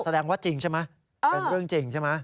แสดงว่าจริงใช่ไหมเป็นเรื่องจริงใช่ไหม